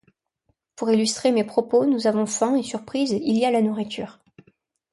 Pour illustrer mes propos, nous avons faim, et surprise, il y a la nourriture.